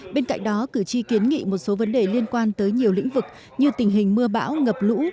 bên cạnh đó cử tri kiến nghị một số vấn đề liên quan tới nhiều lĩnh vực như tình hình mưa bão ngập lũ